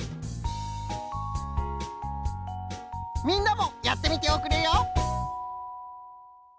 みんなもやってみておくれよ！